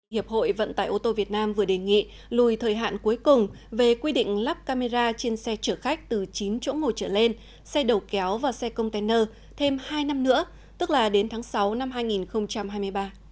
hiệp hội vận tải ô tô việt nam vừa đề nghị lùi thời hạn cuối cùng về quy định lắp camera trên xe chở khách từ chín chỗ ngồi trở lên xe đầu kéo và xe container thêm hai năm nữa tức là đến tháng sáu năm hai nghìn hai mươi ba